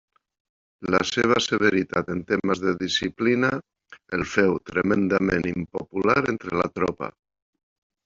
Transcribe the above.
La seva severitat en temes de disciplina el féu tremendament impopular entre la tropa.